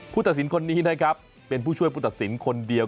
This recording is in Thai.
ตัดสินคนนี้นะครับเป็นผู้ช่วยผู้ตัดสินคนเดียว